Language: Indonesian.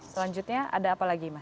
selanjutnya ada apa lagi mas